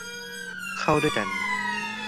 เข้าด้วยกัน